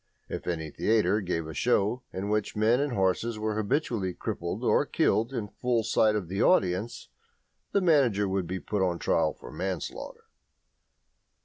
If any theatre gave a show at which men and horses were habitually crippled or killed in full sight of the audience, the manager would be put on his trial for manslaughter.